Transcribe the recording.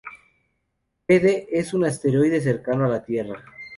Bede es un asteroide cercano a la Tierra.